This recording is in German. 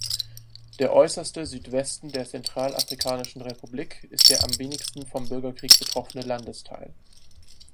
Der äußerste Südwesten der Zentralafrikanischen Republik ist der am wenigsten vom Bürgerkrieg betroffene Landesteil.